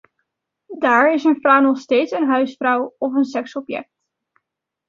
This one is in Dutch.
Daar is een vrouw nog steeds een huisvrouw of een seksobject.